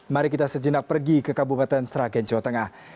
mari kita sejenak pergi ke kabupaten sragen jawa tengah